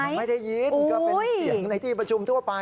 ก็เป็นเสียงในที่ประชุมทั่วไป